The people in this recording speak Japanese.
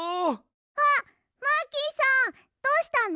あっマーキーさんどうしたの？